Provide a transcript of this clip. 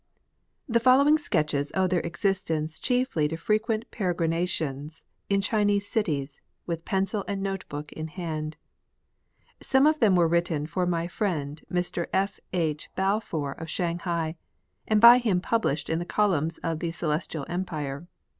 The following Sketches owe their existence chiefly to frequent peregrinations in Chinese cities, with pencil and note book in hand. Some of them were written for my friend Mr F. H. Balfour of Shanghai, and by him published in the columns of the Celestial Empire.